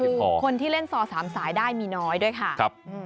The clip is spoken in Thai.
คือคนที่เล่นซอสามสายได้มีน้อยด้วยค่ะ